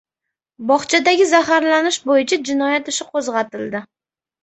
Bog‘chadagi zaharlanish bo‘yicha jinoyat ishi qo‘zg‘atildi